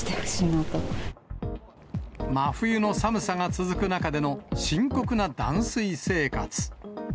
真冬の寒さが続く中での深刻な断水生活。